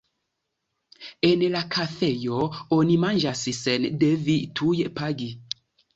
En la kafejo oni manĝas sen devi tuj pagi.